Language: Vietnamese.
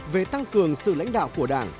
về tăng cường sự lãnh đạo của đảng